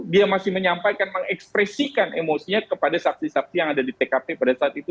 dia masih menyampaikan mengekspresikan emosinya kepada saksi saksi yang ada di tkp pada saat itu